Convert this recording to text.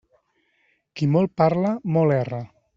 Qui molt parla, molt erra.